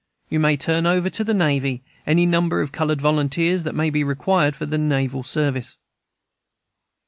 You may turn over to the navy any number of colored volunteers that may be required for the naval service.